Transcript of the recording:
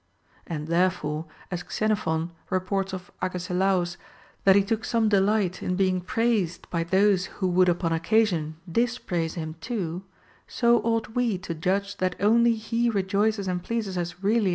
And therefore, as Xenophon reports of Agesilaus that he took some delight in being praised by those who would upon occasion dispraise him too, so ought we to judge that only he rejoices and pleases us really as a * II.